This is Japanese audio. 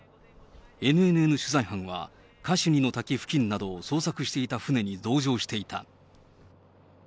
ＮＮＮ取材班は、カシュニの滝付近などを捜索していた船に同乗していた。